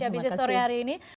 sama sama mbak heran terima kasih